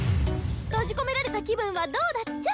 閉じ込められた気分はどうだっちゃ？